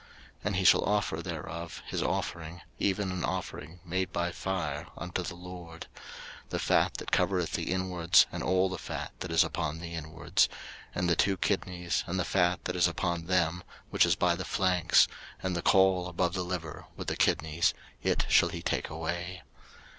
03:003:014 And he shall offer thereof his offering, even an offering made by fire unto the LORD; the fat that covereth the inwards, and all the fat that is upon the inwards, 03:003:015 And the two kidneys, and the fat that is upon them, which is by the flanks, and the caul above the liver, with the kidneys, it shall he take away.